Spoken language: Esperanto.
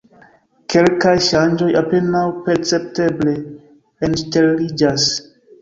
Kelkaj ŝanĝoj apenaŭ percepteble enŝteliĝas.